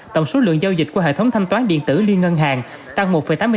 tổng số lượng giao dịch qua hệ thống thanh toán điện tử liên ngân hàng tăng một tám mươi năm